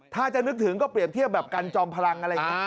ถ้าจะนึกถึงก็เปรียบเทียบแบบกันจอมพลังอะไรอย่างนี้